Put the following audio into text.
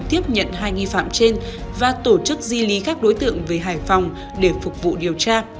tiếp nhận hai nghi phạm trên và tổ chức di lý các đối tượng về hải phòng để phục vụ điều tra